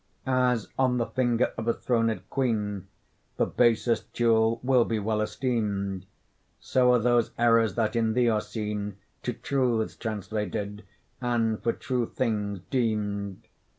As on the finger of a throned queen The basest jewel will be well esteem'd, So are those errors that in thee are seen To truths translated, and for true things deem'd.